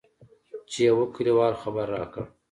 چې يوه کليوال خبر راکړ.